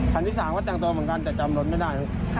คันที่๓ก็แต่งตัวเหมือนกันแต่จำรถไม่ได้